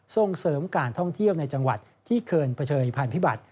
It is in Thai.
ส่งเสริมการท่องเที่ยวในจังหวัดที่เคยเผชิญพันธิบัติ